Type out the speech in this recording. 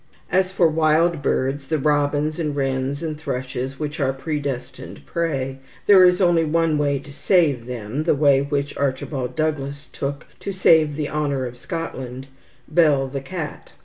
As for wild birds, the robins and wrens and thrushes which are predestined prey, there is only one way to save them, the way which Archibald Douglas took to save the honour of Scotland, "bell the cat."